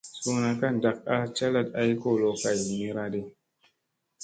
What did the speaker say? Suuna ka ndak a calat ay kolo kay ɦinira ɗi.